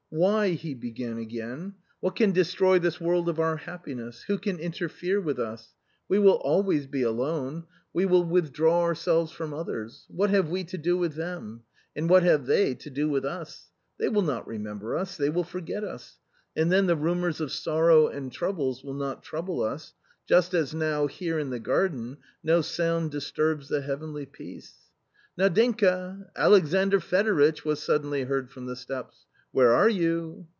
" Why ?" he began again, " what can destroy this world of our happiness ? Who can interfere with us ? We will always be alone, we will withdraw ourselves from others ; what have we to do with them ? and what have they to do with us ? They will not remember us, they will forget us, and then the rumours of sorrow and troubles will not trouble us, just as now here in the garden no sound disturbs the heavenly peace." "Nadinka! Alexandr Fedoritch!" was suddenly heard from the steps, " where are you